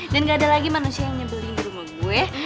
dan gak ada lagi manusia yang nyebelin di rumah gue